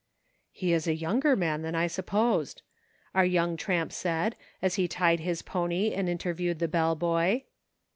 " He is a younger man than I supposed," our young tramp said, as he tied his pony and inter viewed the bell boy.